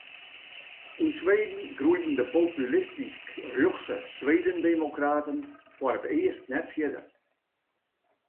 Yn Sweden groeiden de populistysk-rjochtse Swedendemokraten foar it earst net fierder.